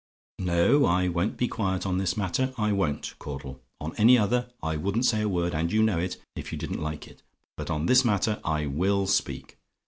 "No, I won't be quiet on this matter; I won't, Caudle: on any other, I wouldn't say a word and you know it if you didn't like it; but on this matter I WILL speak.